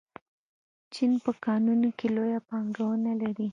چین په کانونو کې لویه پانګونه لري.